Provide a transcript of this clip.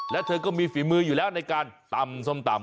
แล้วเธอก็มีฝีมืออยู่แล้วในการตำส้มตำ